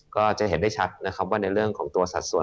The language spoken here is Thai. ก็จะเห็นได้ชัดนะครับว่าในเรื่องของตัวสัดส่วน